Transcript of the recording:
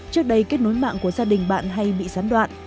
trước đây kết nối mạng của gia đình bạn hay bị gián đoạn